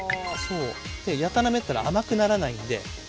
やたらめったら甘くならないんで。